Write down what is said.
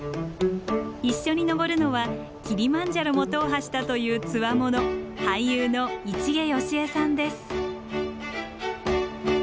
一緒に登るのはキリマンジャロも踏破したという強者俳優の市毛良枝さんです。